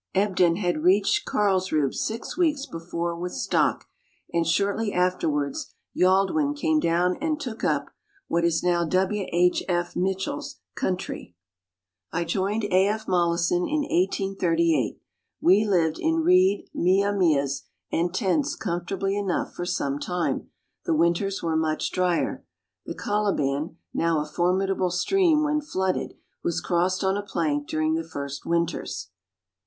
Ebden had reached Carlsruhe six weeks before with stock, and shortly afterwards Yaldwyn came down and took up (what is now W. H. F. Mitchell's) country. Letters from Victorian Pioneers. 183 I joined A. F. Mollison in 1838. We lived in reed mia mias and tents comfortably enough for some time. The winters were much drier. The Colibau, now a formidable stream when flooded, was crossed on a plank during the first winters. 1838.